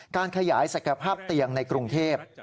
การขยายศักยภาพเตียงในกรุงเทพ